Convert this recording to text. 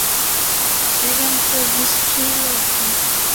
এই রঙটা বিশ্রী লাগে।